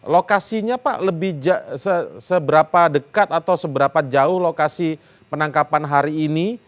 lokasinya pak seberapa dekat atau seberapa jauh lokasi penangkapan hari ini